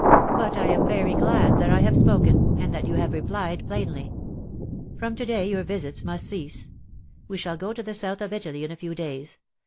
But I am very glad that I have spoken, and that you have replied plainly. From to day your visits must cease. We shall go to the south of Italy in a few days.